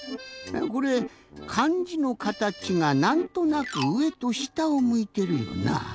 これかんじのかたちがなんとなく「上」と「下」をむいてるよな。